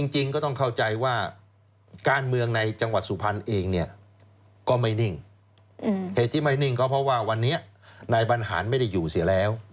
จริงก็ต้องเข้าใจว่าการเมืองในจังหวัดสุพรรณเองเนี่ยก็ไม่นิ่งเหตุที่ไม่นิ่งก็เพราะว่าวันนี้นายบรรหารไม่ได้อยู่เสียแล้ว